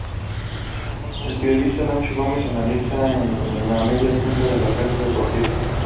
El periodista Nacho Gómez analiza en el Media Punta la prensa deportiva.